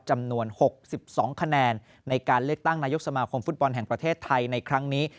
จำนวน๖๒คะแนนในการเลือกตั้งนายกสมาคมฟุตบอลแห่งประเทศไทยในครั้งนี้